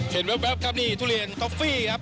เห็นแบบครับนี่ทุเรียนคอฟฟี่ครับ